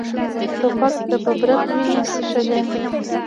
توپک د ببرک وینې څښلي.